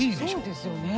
そうですよね。